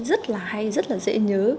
rất là hay rất là dễ nhớ